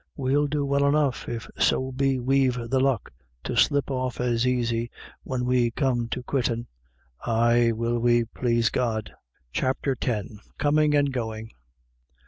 Well do well enough, if so be we've the luck to slip off as aisy when we come to quittinV* • Aye, will we, plase God." CHAPTER X. COMING AND GOING.